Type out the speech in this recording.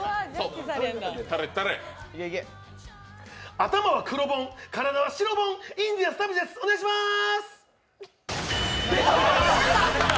頭は黒ボン、体は白ボンインディアンス・田渕です、お願いしまーす！